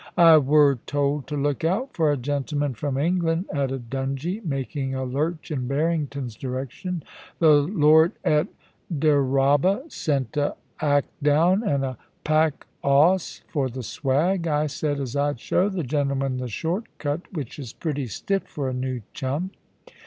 I wur told to look out for a gentleman from England,' added Dungie, making a lurch in Barrington's direction. * The lord at Dyraaba sent a 'ack down and a pack 'oss for the swag. I said as I'd show the gentleman the short cut, which is pretty stiff for a new chum.'